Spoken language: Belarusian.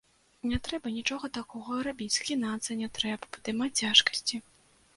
Не трэба нічога такога рабіць, згінацца не трэба, падымаць цяжкасці.